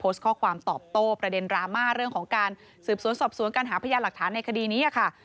ข้อความตอบโต้ประเด็นดราม่าเรื่องของการสืบสวนสอบสวนการหาพยานหลักฐานในคดีนี้ค่ะ